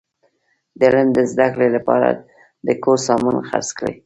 د علم د زده کړي له پاره د کور سامان خرڅ کړئ!